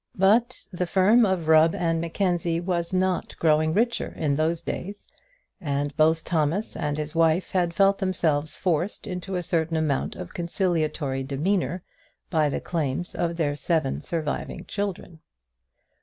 But the firm of Rubb and Mackenzie was not growing richer in those days, and both Thomas and his wife had felt themselves forced into a certain amount of conciliatory demeanour by the claims of their seven surviving children.